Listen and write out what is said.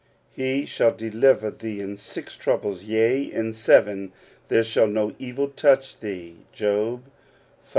"He shall deliver thee in six troubles; yea, in seven there shall no evil touch thee" (Job V.